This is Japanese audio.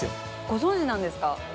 ご存じなんですか？